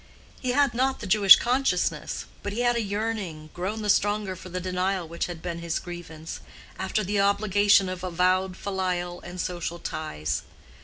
He had not the Jewish consciousness, but he had a yearning, grown the stronger for the denial which had been his grievance, after the obligation of avowed filial and social ties.